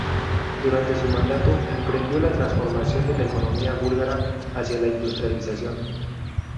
Durante su mandato emprendió la transformación de la economía búlgara hacia la industrialización.